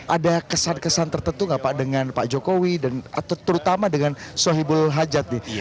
ada kesan kesan tertentu nggak pak dengan pak jokowi dan atau terutama dengan sohibul hajat nih